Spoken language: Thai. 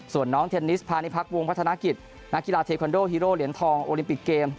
ส่วนน้องเทนนิสพาณิพักวงพัฒนากิจนักกีฬาเทคอนโดฮีโร่เหรียญทองโอลิมปิกเกม